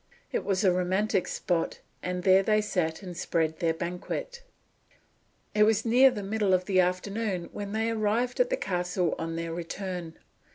It was a romantic spot; and there they sat, and spread their banquet. It was near the middle of the afternoon when they arrived at the castle on their return.